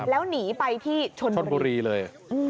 แล้วหนีไปที่ชนบุรีเลย